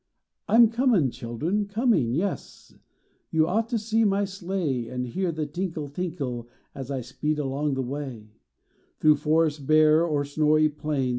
I m coming children, coming, yes, You ought to see my sleigh, And hear the tinkle, tinkle, as I speed along the way, Through forests bare, o er snowy plains.